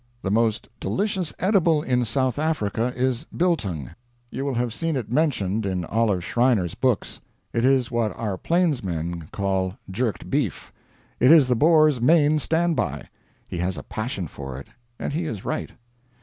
The most delicious edible in South Africa is "biltong." You will have seen it mentioned in Olive Schreiner's books. It is what our plainsmen call "jerked beef." It is the Boer's main standby. He has a passion for it, and he is right.